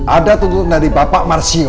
ada tuntutan dari bapak marsio